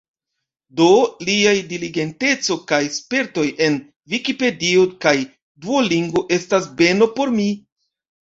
Do, liaj diligenteco kaj spertoj en Vikipedio kaj Duolingo estas beno por mi.